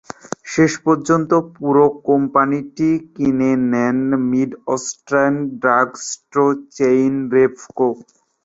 শেষ পর্যন্ত পুরো কোম্পানিটি কিনে নেয় মিডওয়েস্টার্ন ড্রাগস্টোর চেইন রেভকো।